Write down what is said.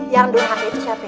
yang durhaka itu siapa